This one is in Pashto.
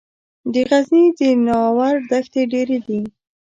د غزني د ناور دښتې ډیرې دي